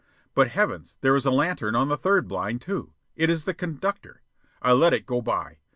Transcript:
But heavens, there is a lantern on the third blind, too. It is the conductor. I let it go by.